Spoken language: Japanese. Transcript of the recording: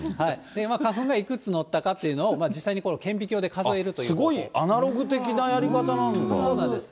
花粉がいくつ載ったかっていうのを、実際に顕微鏡で数えるというすごいアナログ的なやり方なそうなんです。